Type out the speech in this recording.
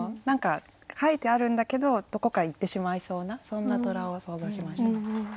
何か描いてあるんだけどどこかへ行ってしまいそうなそんな虎を想像しました。